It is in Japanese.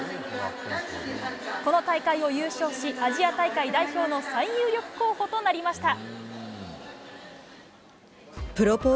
この大会を優勝し、アジア大会代表の最有力候補となりました。